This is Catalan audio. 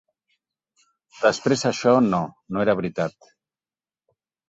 Després això no, no era veritat.